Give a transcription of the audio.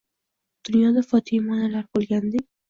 Dunyoda Fotima onalar bo'lganidek